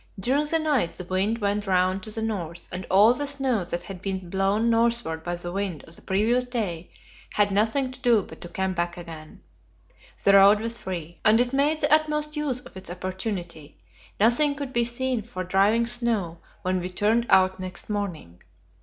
During the night the wind went round to the north, and all the snow that had been blown northward by the wind of the previous day had nothing to do but to come back again; the road was free. And it made the utmost use of its opportunity; nothing could be seen for driving snow when we turned out next morning.